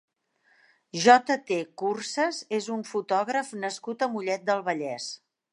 JT Curses és un fotògraf nascut a Mollet del Vallès.